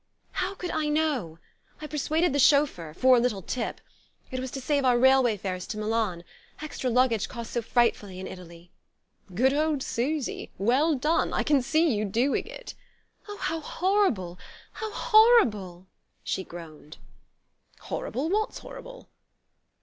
"How could I know? I persuaded the chauffeur... for a little tip.... It was to save our railway fares to Milan... extra luggage costs so frightfully in Italy...." "Good old Susy! Well done! I can see you doing it " "Oh, how horrible how horrible!" she groaned. "Horrible? What's horrible?"